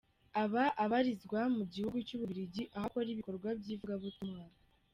Aba abarizwa mu gihugu cy’u Bubiligi aho akora ibikorwa by’ivugabutumwa.